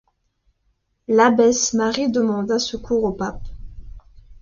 L'abbesse Marie demanda secours au pape.